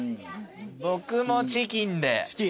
僕もチキンで。